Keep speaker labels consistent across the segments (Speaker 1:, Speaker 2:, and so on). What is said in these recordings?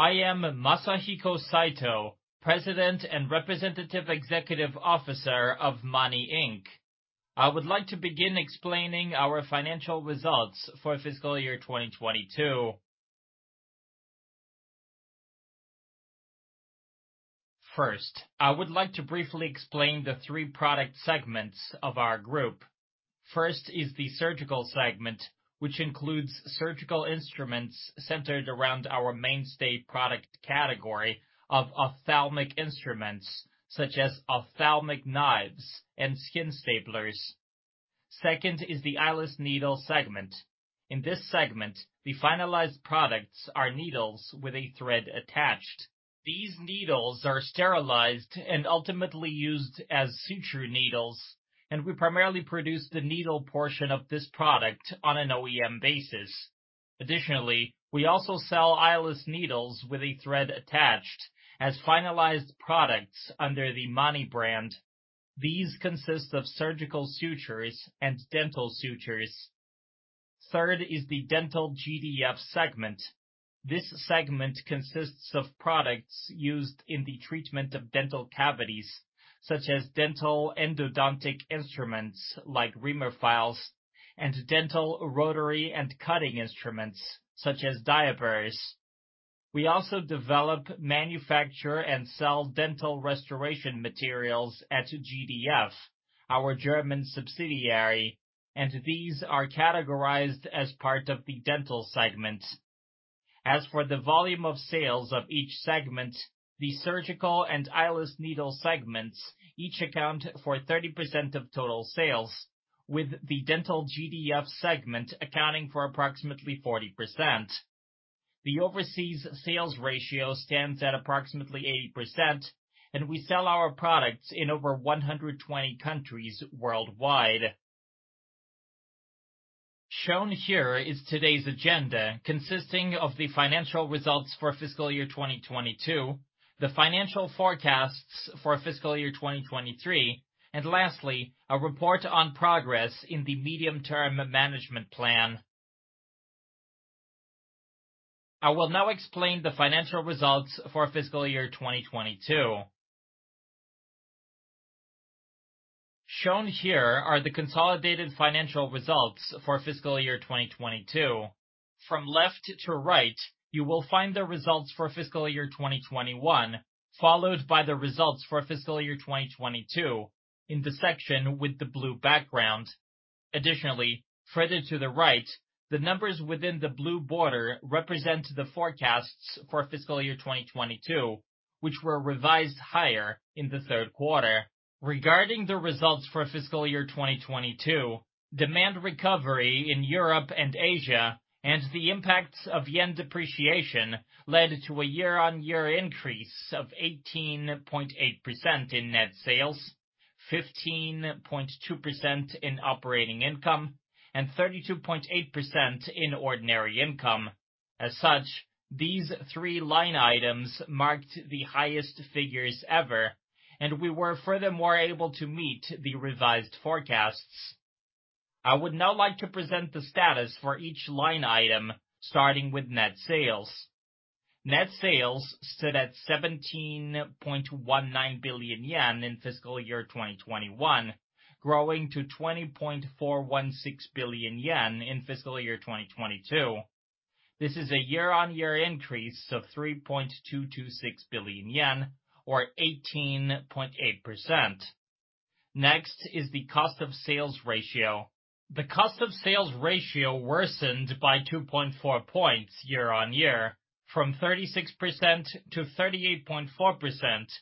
Speaker 1: I am Masahiko Saito, President and Representative Executive Officer of MANI, Inc. I would like to begin explaining our financial results for fiscal year 2022. First, I would like to briefly explain the three product segments of our group. First is the surgical segment, which includes surgical instruments centered around our mainstay product category of ophthalmic instruments, such as ophthalmic knives and skin staplers. Second is the eyeless needle segment. In this segment, the finalized products are needles with a thread attached. These needles are sterilized and ultimately used as suture needles, and we primarily produce the needle portion of this product on an OEM basis. Additionally, we also sell eyeless needles with a thread attached as finalized products under the MANI brand. These consist of surgical sutures and dental sutures. Third is the dental GDF segment. This segment consists of products used in the treatment of dental cavities, such as dental endodontic instruments like reamers and dental rotary and cutting instruments such as Dia-Burs. We also develop, manufacture, and sell dental restoration materials at GDF, our German subsidiary, and these are categorized as part of the dental segment. As for the volume of sales of each segment, the surgical and eyeless needles segments each account for 30% of total sales, with the dental GDF segment accounting for approximately 40%. The overseas sales ratio stands at approximately 80%, and we sell our products in over 120 countries worldwide. Shown here is today's agenda, consisting of the financial results for fiscal year 2022, the financial forecasts for fiscal year 2023, and lastly, a report on progress in the medium-term management plan. I will now explain the financial results for fiscal year 2022. Shown here are the consolidated financial results for fiscal year 2022. From left to right, you will find the results for fiscal year 2021, followed by the results for fiscal year 2022 in the section with the blue background. Additionally, further to the right, the numbers within the blue border represent the forecasts for fiscal year 2022, which were revised higher in the third quarter. Regarding the results for fiscal year 2022, demand recovery in Europe and Asia, and the impacts of yen depreciation led to a year-on-year increase of 18.8% in net sales, 15.2% in operating income, and 32.8% in ordinary income. As such, these three line items marked the highest figures ever, and we were furthermore able to meet the revised forecasts. I would now like to present the status for each line item, starting with net sales. Net sales stood at 17.19 billion yen in fiscal year 2021, growing to 20.416 billion yen in fiscal year 2022. This is a year-on-year increase of 3.226 billion yen, or 18.8%. Next is the cost of sales ratio. The cost of sales ratio worsened by 2.4 points year-on-year from 36%-38.4%,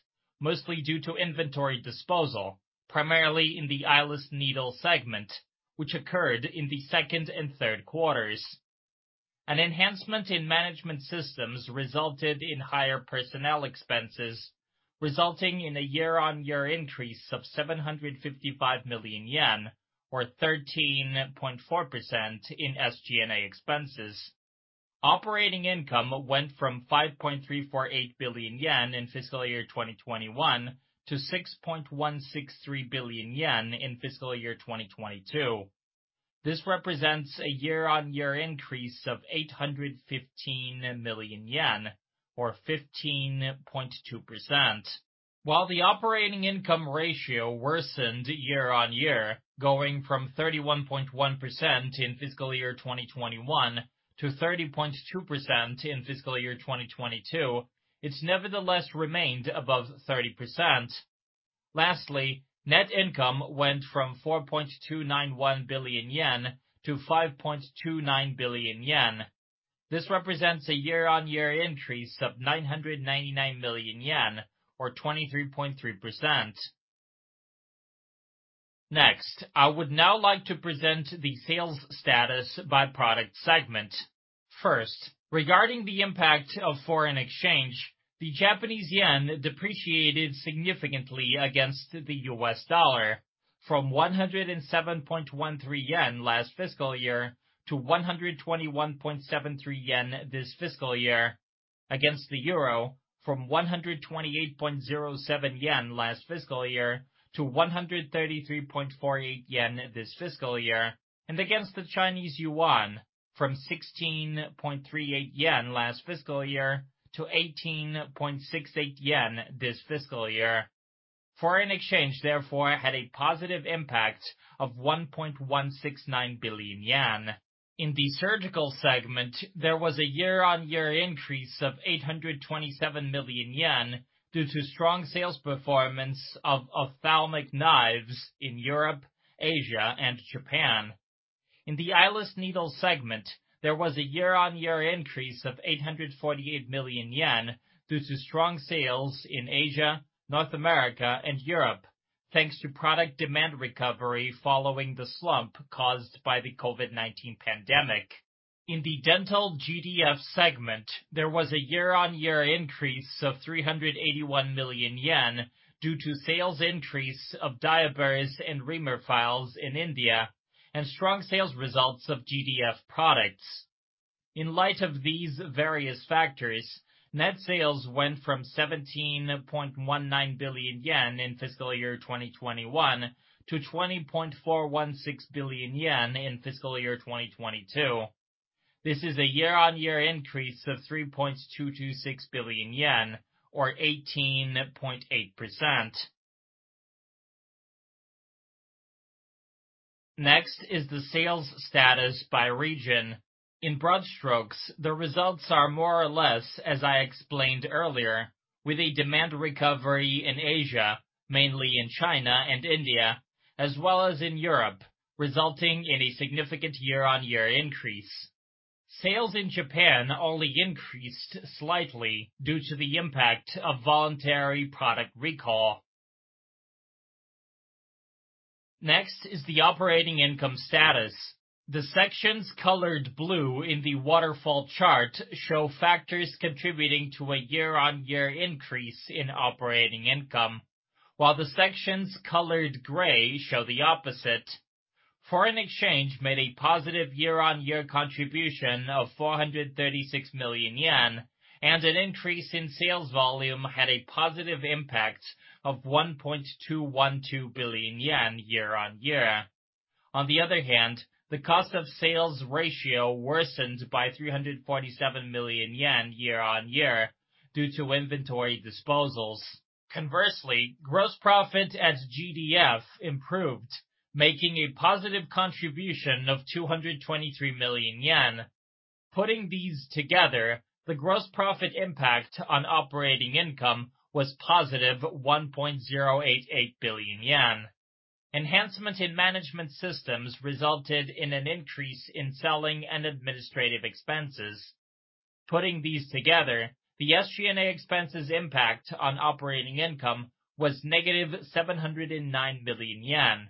Speaker 1: mostly due to inventory disposal, primarily in the eyeless needle segment, which occurred in the second and third quarters. An enhancement in management systems resulted in higher personnel expenses, resulting in a year-on-year increase of 755 million yen, or 13.4% in SG&A expenses. Operating income went from 5.348 billion yen in fiscal year 2021 to 6.163 billion yen in fiscal year 2022. This represents a year-on-year increase of 815 million yen, or 15.2%. While the operating income ratio worsened year-on-year, going from 31.1% in fiscal year 2021 to 30.2% in fiscal year 2022, it nevertheless remained above 30%. Lastly, net income went from 4.291 billion-5.29 billion yen. This represents a year-on-year increase of 999 million yen, or 23.3%. Next, I would now like to present the sales status by product segment. First, regarding the impact of foreign exchange, the Japanese yen depreciated significantly against the U.S. dollar from 107.13 yen last fiscal year to 121.73 yen this fiscal year against the euro, from 128.07 yen last fiscal year to 133.48 yen this fiscal year, and against the Chinese yuan from 16.38 yen last fiscal year to 18.68 yen this fiscal year. Foreign exchange therefore had a positive impact of 1.169 billion yen. In the surgical segment, there was a year-on-year increase of 827 million yen due to strong sales performance of ophthalmic knives in Europe, Asia, and Japan. In the eyeless needles segment, there was a year-on-year increase of 848 million yen due to strong sales in Asia, North America, and Europe, thanks to product demand recovery following the slump caused by the COVID-19 pandemic. In the Dental GDF segment, there was a year-on-year increase of 381 million yen due to sales increase of Dia-Burs and reamers in India and strong sales results of GDF products. In light of these various factors, net sales went from 17.19 billion yen in fiscal year 2021 to 20.416 billion yen in fiscal year 2022. This is a year-on-year increase of 3.226 billion yen or 18.8%. Next is the sales status by region. In broad strokes, the results are more or less as I explained earlier, with a demand recovery in Asia, mainly in China and India, as well as in Europe, resulting in a significant year-on-year increase. Sales in Japan only increased slightly due to the impact of voluntary product recall. Next is the operating income status. The sections colored blue in the waterfall chart show factors contributing to a year-on-year increase in operating income, while the sections colored gray show the opposite. Foreign exchange made a positive year-on-year contribution of 436 million yen, and an increase in sales volume had a positive impact of 1.212 billion yen year-on-year. On the other hand, the cost of sales ratio worsened by 347 million yen year-on-year due to inventory disposals. Conversely, gross profit at GDF improved, making a positive contribution of 223 million yen. Putting these together, the gross profit impact on operating income was +1.08 billion yen. Enhancement in management systems resulted in an increase in selling and administrative expenses. Putting these together, the SG&A expenses impact on operating income was -709 million yen.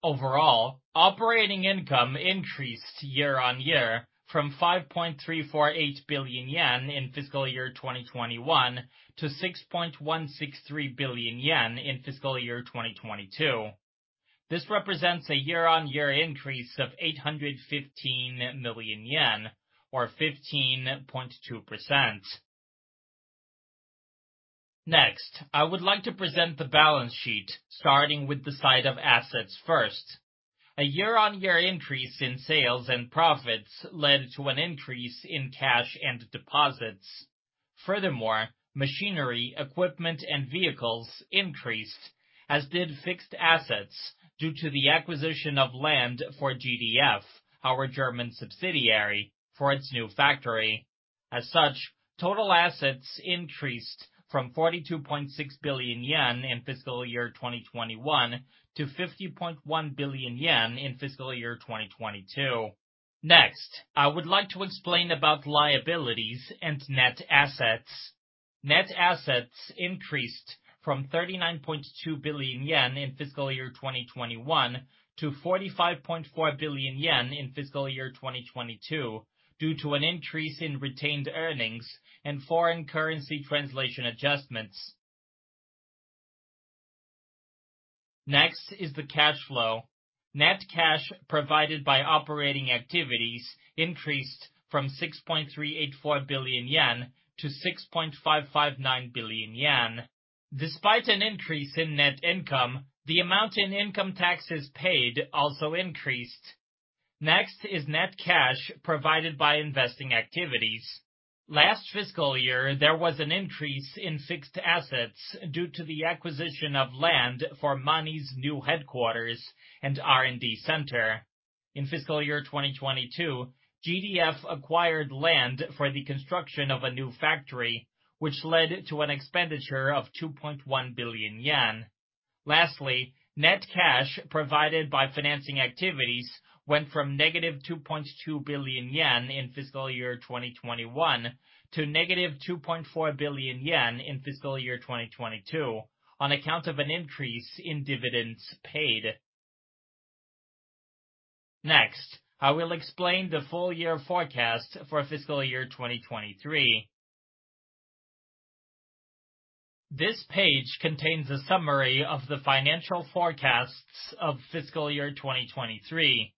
Speaker 1: Overall, operating income increased year-on-year from 5.348 billion yen in fiscal year 2021 to 6.163 billion yen in fiscal year 2022. This represents a year-on-year increase of 815 million yen, or 15.2%. Next, I would like to present the balance sheet, starting with the side of assets first. A year-on-year increase in sales and profits led to an increase in cash and deposits. Furthermore, machinery, equipment, and vehicles increased, as did fixed assets, due to the acquisition of land for GDF, our German subsidiary, for its new factory. As such, total assets increased from 42.6 billion yen in fiscal year 2021 to 50.1 billion yen in fiscal year 2022. Next, I would like to explain about liabilities and net assets. Net assets increased from 39.2 billion yen in fiscal year 2021 to 45.4 billion yen in fiscal year 2022, due to an increase in retained earnings and foreign currency translation adjustments. Next is the cash flow. Net cash provided by operating activities increased from 6.384 billion yen to 6.559 billion yen. Despite an increase in net income, the amount in income taxes paid also increased. Next is net cash provided by investing activities. Last fiscal year, there was an increase in fixed assets due to the acquisition of land for MANI's new headquarters and R&D center. In fiscal year 2022, GDF acquired land for the construction of a new factory, which led to an expenditure of 2.1 billion yen. Lastly, net cash provided by financing activities went from JPY- 2.2 billion in fiscal year 2021 to -2.4 billion yen in fiscal year 2022 on account of an increase in dividends paid. Next, I will explain the full year forecast for fiscal year 2023. This page contains a summary of the financial forecasts of fiscal year 2023.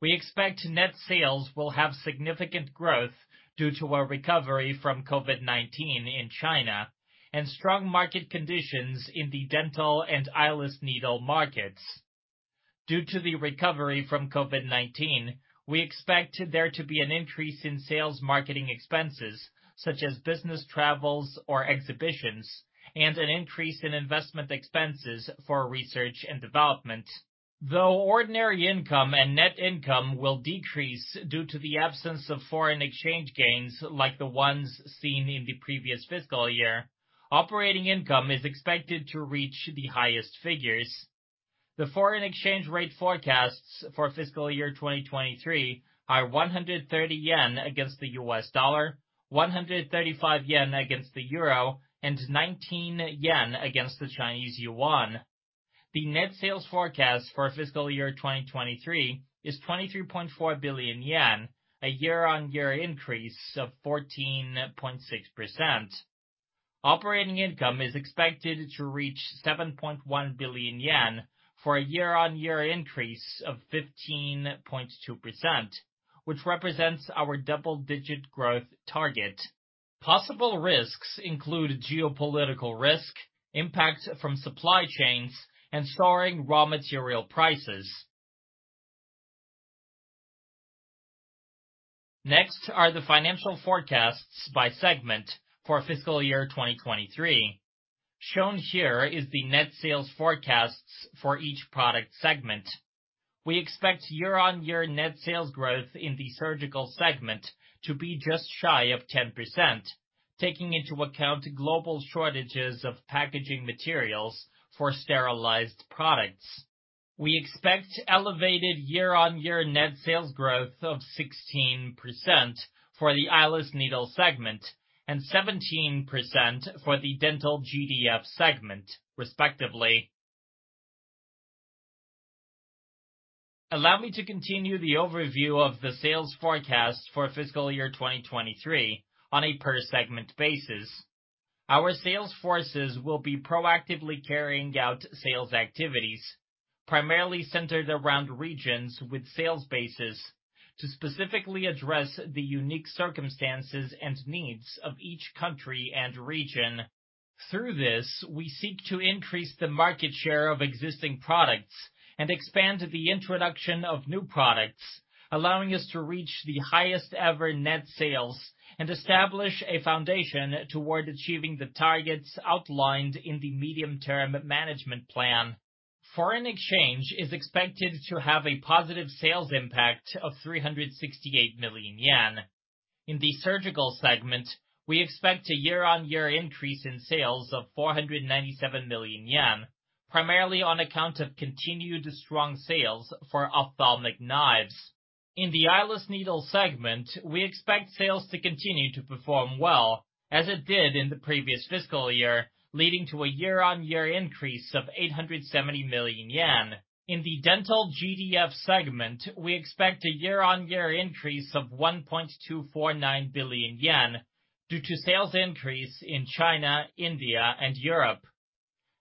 Speaker 1: We expect net sales will have significant growth due to a recovery from COVID-19 in China and strong market conditions in the dental and eyeless needle markets. Due to the recovery from COVID-19, we expect there to be an increase in sales and marketing expenses, such as business travel or exhibitions, and an increase in investment expenses for research and development. Though ordinary income and net income will decrease due to the absence of foreign exchange gains like the ones seen in the previous fiscal year, operating income is expected to reach the highest figures. The foreign exchange rate forecasts for fiscal year 2023 are 130 yen against the U.S. dollar, 135 yen against the euro, and 19 yen against the Chinese yuan. The net sales forecast for fiscal year 2023 is 23.4 billion yen, a year-on-year increase of 14.6%. Operating income is expected to reach 7.1 billion yen for a year-on-year increase of 15.2%, which represents our double-digit growth target. Possible risks include geopolitical risk, impacts from supply chains, and soaring raw material prices. Next are the financial forecasts by segment for fiscal year 2023. Shown here is the net sales forecasts for each product segment. We expect year-on-year net sales growth in the surgical segment to be just shy of 10%, taking into account global shortages of packaging materials for sterilized products. We expect elevated year-on-year net sales growth of 16% for the eyeless needle segment and 17% for the dental GDF segment, respectively. Allow me to continue the overview of the sales forecast for fiscal year 2023 on a per segment basis. Our sales forces will be proactively carrying out sales activities, primarily centered around regions with sales bases, to specifically address the unique circumstances and needs of each country and region. Through this, we seek to increase the market share of existing products and expand the introduction of new products, allowing us to reach the highest ever net sales and establish a foundation toward achieving the targets outlined in the medium-term management plan. Foreign exchange is expected to have a positive sales impact of 368 million yen. In the surgical segment, we expect a year-on-year increase in sales of 497 million yen, primarily on account of continued strong sales for ophthalmic knives. In the eyeless needles segment, we expect sales to continue to perform well as it did in the previous fiscal year, leading to a year-on-year increase of 870 million yen. In the dental GDF segment, we expect a year-on-year increase of 1.249 billion yen due to sales increase in China, India, and Europe.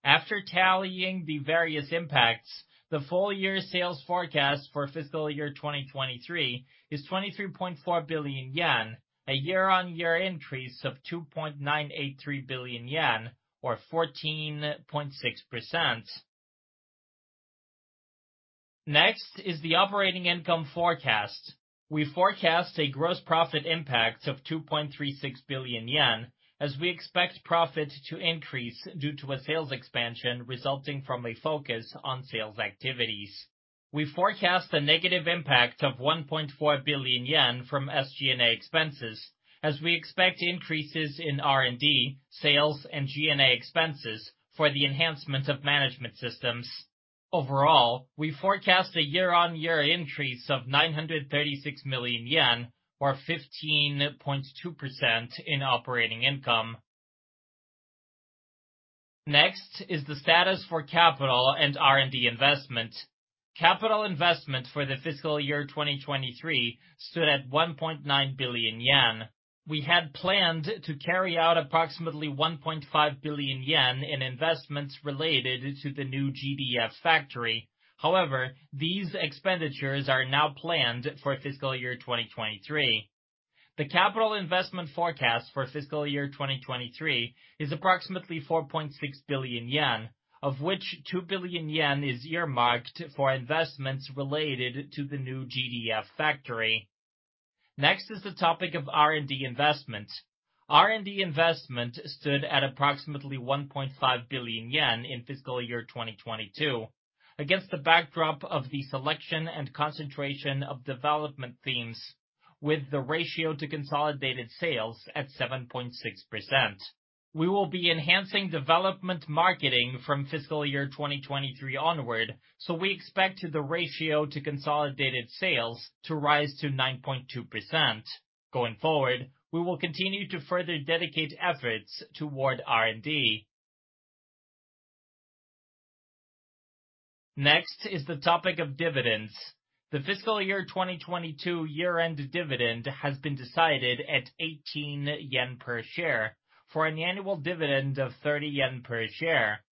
Speaker 1: After tallying the various impacts, the full year sales forecast for fiscal year 2023 is 23.4 billion yen, a year-on-year increase of 2.983 billion yen or 14.6%. Next is the operating income forecast. We forecast a gross profit impact of 2.36 billion yen as we expect profit to increase due to a sales expansion resulting from a focus on sales activities. We forecast a negative impact of 1.4 billion yen from SG&A expenses as we expect increases in R&D, sales, and G&A expenses for the enhancement of management systems. Overall, we forecast a year-on-year increase of 936 million yen or 15.2% in operating income. Next is the status for capital and R&D investment. Capital investment for the fiscal year 2023 stood at 1.9 billion yen. We had planned to carry out approximately 1.5 billion yen in investments related to the new GDF factory. However, these expenditures are now planned for fiscal year 2023. The capital investment forecast for fiscal year 2023 is approximately 4.6 billion yen, of which 2 billion yen is earmarked for investments related to the new GDF factory. Next is the topic of R&D investment. R&D investment stood at approximately 1.5 billion yen in fiscal year 2022 against the backdrop of the selection and concentration of development themes with the ratio to consolidated sales at 7.6%. We will be enhancing development marketing from fiscal year 2023 onward, so we expect the ratio to consolidated sales to rise to 9.2%. Going forward, we will continue to further dedicate efforts toward R&D. Next is the topic of dividends. The fiscal year 2022 year-end dividend has been decided at 18 yen per share for an annual dividend of 30 yen per share.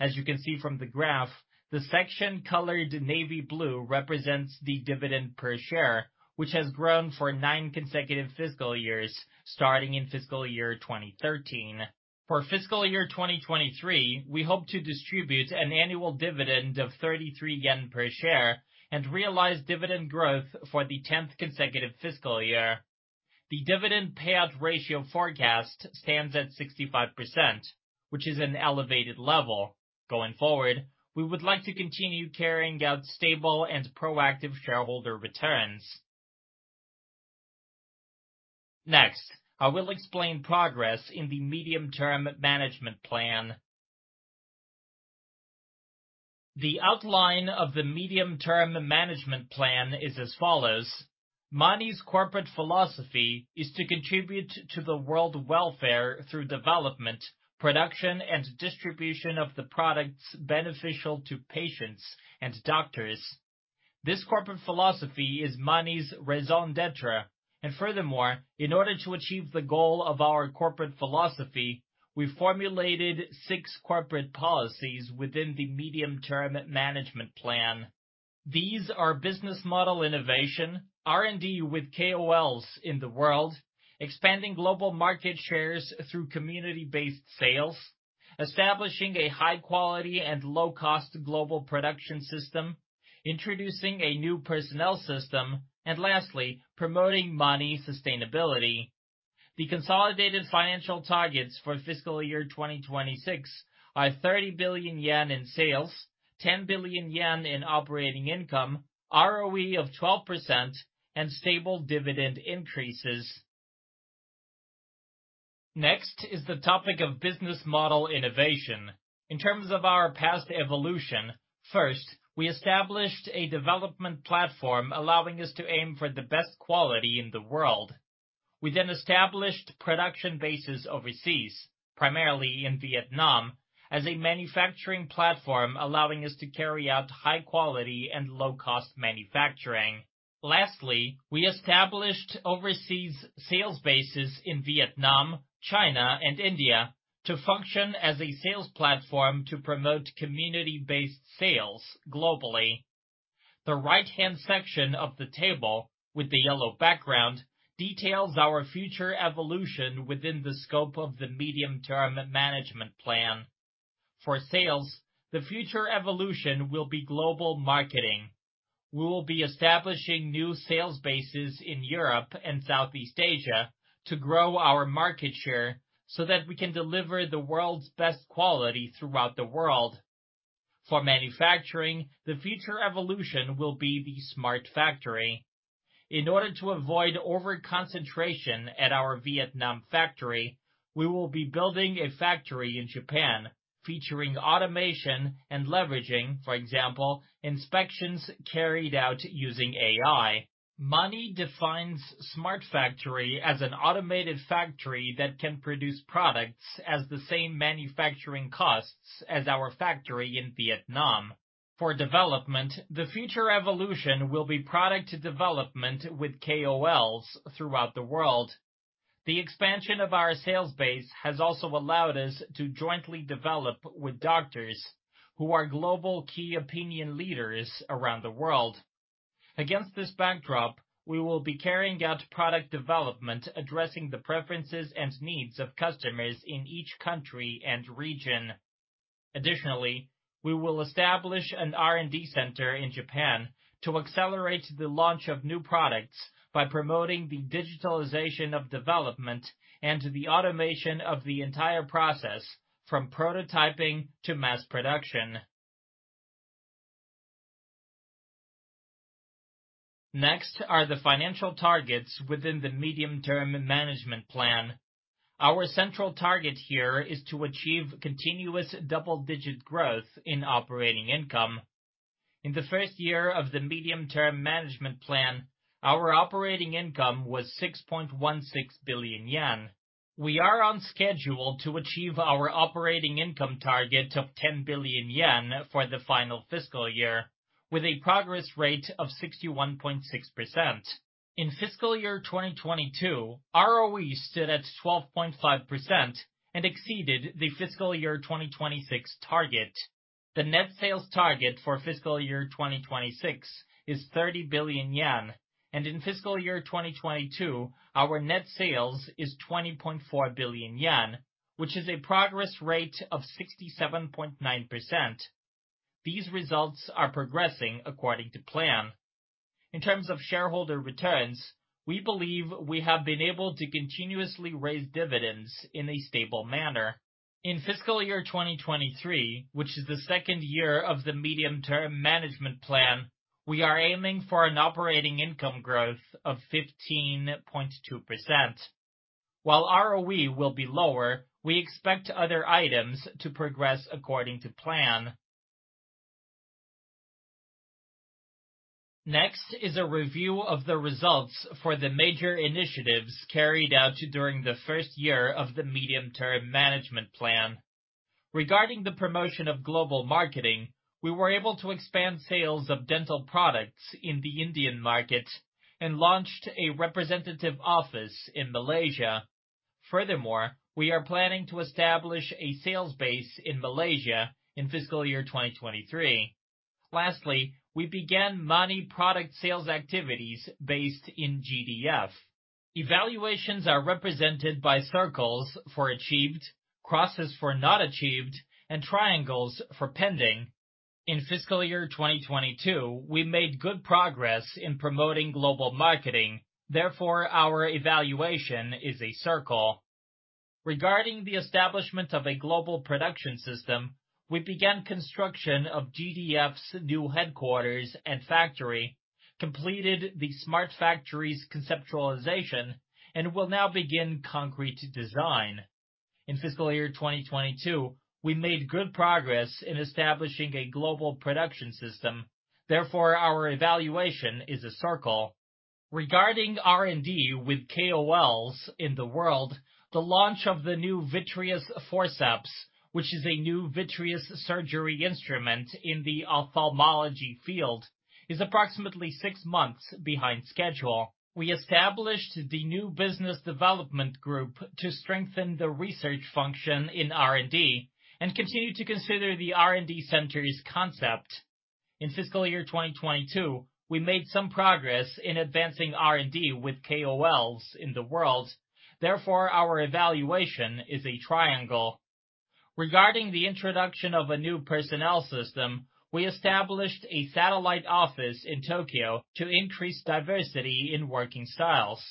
Speaker 1: As you can see from the graph, the section colored navy blue represents the dividend per share, which has grown for nine consecutive fiscal years starting in fiscal year 2013. For fiscal year 2023, we hope to distribute an annual dividend of 33 yen per share and realize dividend growth for the tenth consecutive fiscal year. The dividend payout ratio forecast stands at 65%, which is an elevated level. Going forward, we would like to continue carrying out stable and proactive shareholder returns. Next, I will explain progress in the medium-term management plan. The outline of the medium-term management plan is as follows. MANI's corporate philosophy is to contribute to the world welfare through development, production, and distribution of the products beneficial to patients and doctors. This corporate philosophy is MANI's raison d'être. Furthermore, in order to achieve the goal of our corporate philosophy, we formulated six corporate policies within the medium-term management plan. These are business model innovation, R&D with KOLs in the world, expanding global market shares through community-based sales, establishing a high quality and low-cost global production system, introducing a new personnel system, and lastly, promoting MANI sustainability. The consolidated financial targets for fiscal year 2026 are 30 billion yen in sales, 10 billion yen in operating income, ROE of 12%, and stable dividend increases. Next is the topic of business model innovation. In terms of our past evolution, first, we established a development platform allowing us to aim for the best quality in the world. We then established production bases overseas, primarily in Vietnam, as a manufacturing platform allowing us to carry out high quality and low-cost manufacturing. Lastly, we established overseas sales bases in Vietnam, China, and India to function as a sales platform to promote community-based sales globally. The right-hand section of the table with the yellow background details our future evolution within the scope of the medium-term management plan. For sales, the future evolution will be global marketing. We will be establishing new sales bases in Europe and Southeast Asia to grow our market share so that we can deliver the world's best quality throughout the world. For manufacturing, the future evolution will be the smart factory. In order to avoid over-concentration at our Vietnam factory, we will be building a factory in Japan featuring automation and leveraging, for example, inspections carried out using AI. MANI defines smart factory as an automated factory that can produce products at the same manufacturing costs as our factory in Vietnam. For development, the future evolution will be product development with KOLs throughout the world. The expansion of our sales base has also allowed us to jointly develop with doctors who are global key opinion leaders around the world. Against this backdrop, we will be carrying out product development addressing the preferences and needs of customers in each country and region. Additionally, we will establish an R&D center in Japan to accelerate the launch of new products by promoting the digitalization of development and the automation of the entire process from prototyping to mass production. Next are the financial targets within the medium-term management plan. Our central target here is to achieve continuous double-digit growth in operating income. In the first year of the medium-term management plan, our operating income was 6.16 billion yen. We are on schedule to achieve our operating income target of 10 billion yen for the final fiscal year with a progress rate of 61.6%. In fiscal year 2022, ROE stood at 12.5% and exceeded the fiscal year 2026 target. The net sales target for fiscal year 2026 is 30 billion yen, and in fiscal year 2022, our net sales is 20.4 billion yen, which is a progress rate of 67.9%. These results are progressing according to plan. In terms of shareholder returns, we believe we have been able to continuously raise dividends in a stable manner. In fiscal year 2023, which is the second year of the medium-term management plan, we are aiming for an operating income growth of 15.2%. While ROE will be lower, we expect other items to progress according to plan. Next is a review of the results for the major initiatives carried out during the first year of the medium-term management plan. Regarding the promotion of global marketing, we were able to expand sales of dental products in the Indian market and launched a representative office in Malaysia. Furthermore, we are planning to establish a sales base in Malaysia in fiscal year 2023. Lastly, we began MANI product sales activities based in GDF. Evaluations are represented by circles for achieved, crosses for not achieved, and triangles for pending. In fiscal year 2022, we made good progress in promoting global marketing. Therefore, our evaluation is a circle. Regarding the establishment of a global production system, we began construction of GDF's new headquarters and factory, completed the smart factory's conceptualization, and will now begin concrete design. In fiscal year 2022, we made good progress in establishing a global production system. Therefore, our evaluation is a circle. Regarding R&D with KOLs in the world, the launch of the new vitreous forceps, which is a new vitreous surgery instrument in the ophthalmology field, is approximately six months behind schedule. We established the new business development group to strengthen the research function in R&D and continue to consider the R&D center's concept. In fiscal year 2022, we made some progress in advancing R&D with KOLs in the world. Therefore, our evaluation is a triangle. Regarding the introduction of a new personnel system, we established a satellite office in Tokyo to increase diversity in working styles.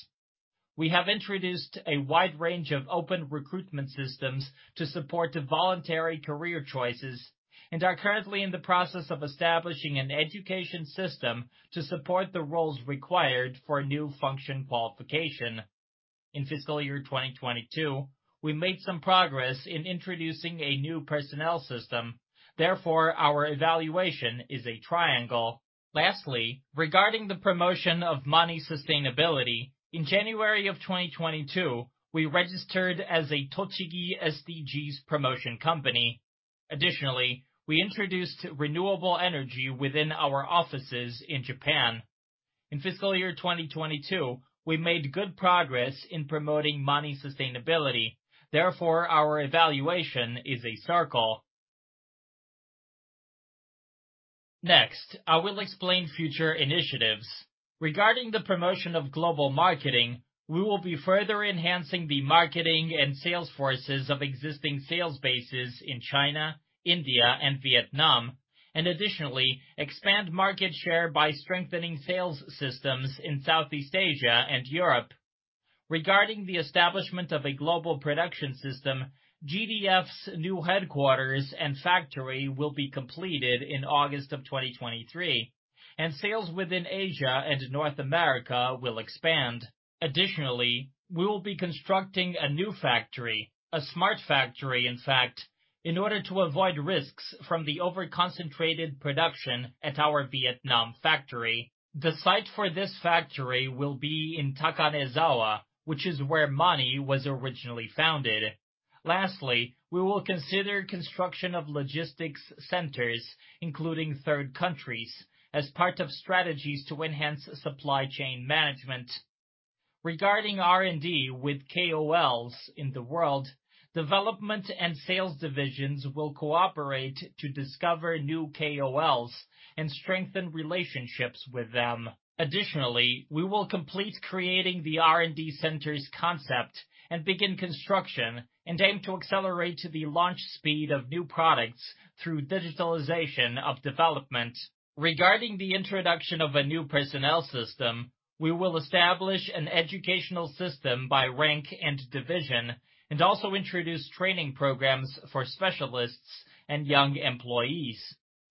Speaker 1: We have introduced a wide range of open recruitment systems to support the voluntary career choices and are currently in the process of establishing an education system to support the roles required for a new function qualification. In fiscal year 2022, we made some progress in introducing a new personnel system. Therefore, our evaluation is a triangle. Lastly, regarding the promotion of MANI sustainability, in January of 2022, we registered as a Tochigi SDGs promotion company. Additionally, we introduced renewable energy within our offices in Japan. In fiscal year 2022, we made good progress in promoting MANI sustainability. Therefore, our evaluation is a circle. Next, I will explain future initiatives. Regarding the promotion of global marketing, we will be further enhancing the marketing and sales forces of existing sales bases in China, India, and Vietnam, and additionally expand market share by strengthening sales systems in Southeast Asia and Europe. Regarding the establishment of a global production system, GDF's new headquarters and factory will be completed in August of 2023, and sales within Asia and North America will expand. Additionally, we will be constructing a new factory, a smart factory in fact, in order to avoid risks from the over-concentrated production at our Vietnam factory. The site for this factory will be in Takanezawa, which is where MANI was originally founded. Lastly, we will consider construction of logistics centers, including third countries, as part of strategies to enhance supply chain management. Regarding R&D with KOLs in the world, development and sales divisions will cooperate to discover new KOLs and strengthen relationships with them. Additionally, we will complete creating the R&D center's concept and begin construction and aim to accelerate the launch speed of new products through digitalization of development. Regarding the introduction of a new personnel system, we will establish an educational system by rank and division and also introduce training programs for specialists and young employees.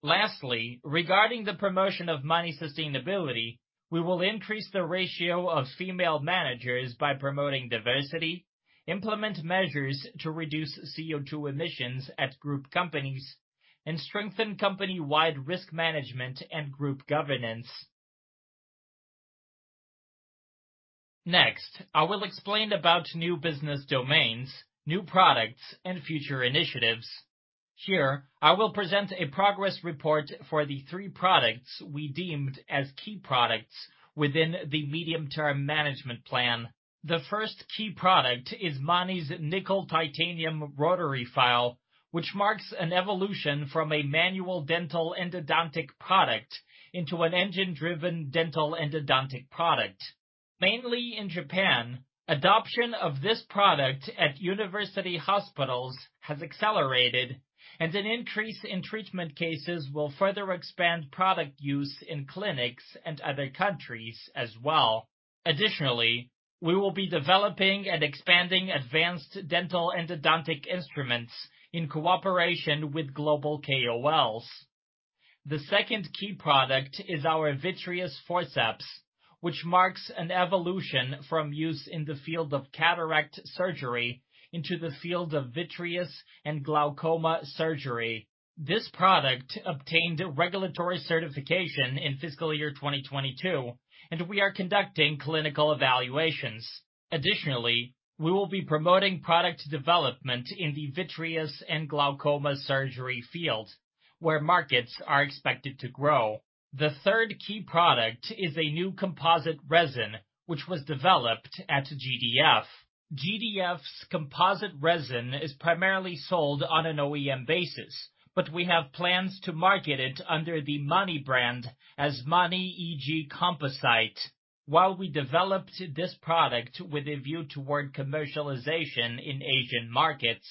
Speaker 1: Lastly, regarding the promotion of MANI sustainability, we will increase the ratio of female managers by promoting diversity, implement measures to reduce CO2 emissions at group companies, and strengthen company-wide risk management and group governance. Next, I will explain about new business domains, new products, and future initiatives. Here, I will present a progress report for the three products we deemed as key products within the medium-term management plan. The first key product is MANI's nickel titanium rotary file, which marks an evolution from a manual dental endodontic product into an engine-driven dental endodontic product. Mainly in Japan, adoption of this product at university hospitals has accelerated, and an increase in treatment cases will further expand product use in clinics and other countries as well. Additionally, we will be developing and expanding advanced dental endodontic instruments in cooperation with global KOLs. The second key product is our vitreous forceps, which marks an evolution from use in the field of cataract surgery into the field of vitreous and glaucoma surgery. This product obtained a regulatory certification in fiscal year 2022, and we are conducting clinical evaluations. Additionally, we will be promoting product development in the vitreous and glaucoma surgery field, where markets are expected to grow. The third key product is a new composite resin, which was developed at GDF. GDF's composite resin is primarily sold on an OEM basis, but we have plans to market it under the MANI brand as MANI EG Composite. While we developed this product with a view toward commercialization in Asian markets,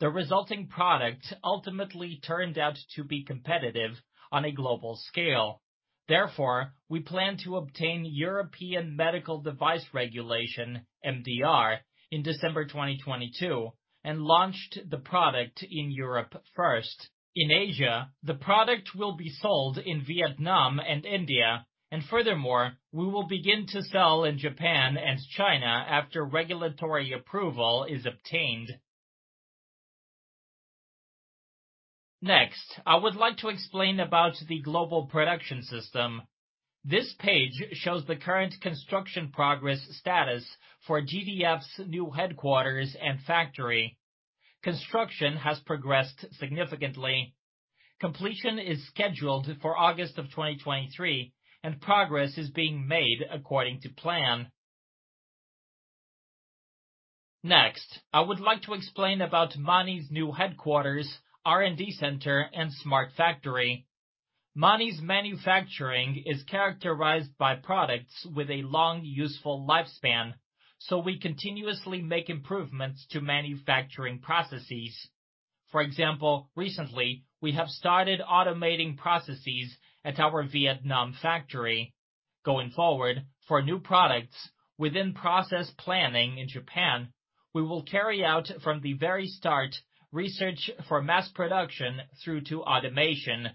Speaker 1: the resulting product ultimately turned out to be competitive on a global scale. Therefore, we plan to obtain European Medical Device Regulation, MDR, in December 2022, and launched the product in Europe first. In Asia, the product will be sold in Vietnam and India, and furthermore, we will begin to sell in Japan and China after regulatory approval is obtained. Next, I would like to explain about the global production system. This page shows the current construction progress status for GDF's new headquarters and factory. Construction has progressed significantly. Completion is scheduled for August of 2023, and progress is being made according to plan. Next, I would like to explain about MANI's new headquarters, R&D center, and smart factory. MANI's manufacturing is characterized by products with a long, useful lifespan, so we continuously make improvements to manufacturing processes. For example, recently, we have started automating processes at our Vietnam factory. Going forward, for new products within process planning in Japan, we will carry out from the very start research for mass production through to automation.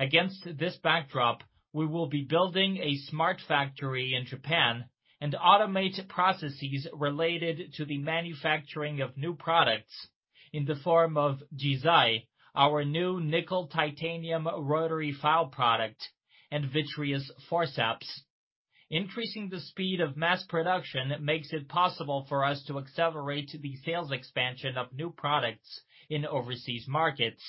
Speaker 1: Against this backdrop, we will be building a smart factory in Japan and automate processes related to the manufacturing of new products in the form of JIZAI, our new nickel titanium rotary file product and vitreous forceps. Increasing the speed of mass production makes it possible for us to accelerate the sales expansion of new products in overseas markets.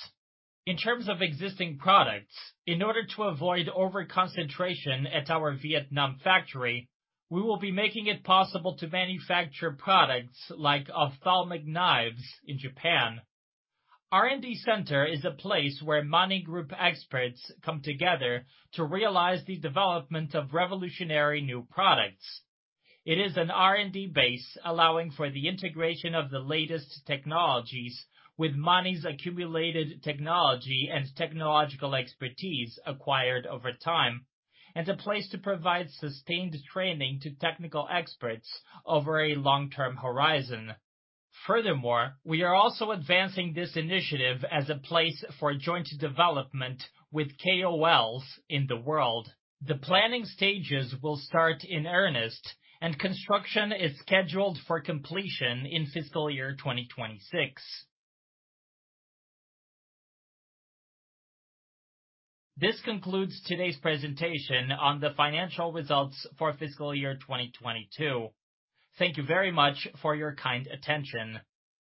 Speaker 1: In terms of existing products, in order to avoid over-concentration at our Vietnam factory, we will be making it possible to manufacture products like ophthalmic knives in Japan. R&D center is a place where MANI Group experts come together to realize the development of revolutionary new products. It is an R&D base allowing for the integration of the latest technologies with MANI's accumulated technology and technological expertise acquired over time, and a place to provide sustained training to technical experts over a long-term horizon. Furthermore, we are also advancing this initiative as a place for joint development with KOLs in the world. The planning stages will start in earnest, and construction is scheduled for completion in fiscal year 2026. This concludes today's presentation on the financial results for fiscal year 2022. Thank you very much for your kind attention.